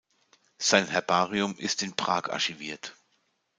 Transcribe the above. Sein Herbarium ist in Prag archiviert.